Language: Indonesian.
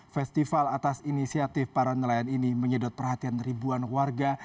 festival atas inisiatif para nelayan ini menyedot perhatian ribuan warga